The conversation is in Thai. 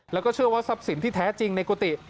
แล้วก็เชื่อว่าทรัพย์สินที่แท้จริงในกุฏิ